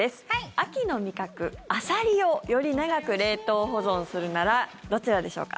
秋の味覚、アサリをより長く冷凍保存するならどちらでしょうか。